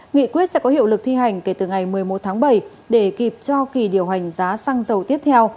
nghị quyết sẽ có hiệu lực thi hành kể từ ngày một mươi một tháng bảy để kịp cho kỳ điều hành giá xăng dầu tiếp theo